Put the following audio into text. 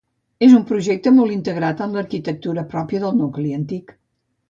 És un projecte molt integrat en l'arquitectura pròpia del nucli antic.